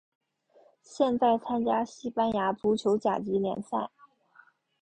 现在参加西班牙足球甲级联赛。